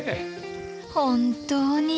本当に。